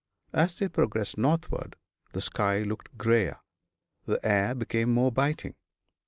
As they progressed northward the sky looked grayer, the air became more biting.